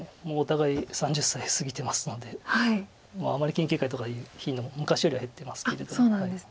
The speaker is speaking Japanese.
もうお互い３０歳過ぎてますのであまり研究会とかいう頻度も昔よりは減ってますけれども。